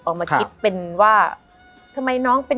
มันทำให้ชีวิตผู้มันไปไม่รอด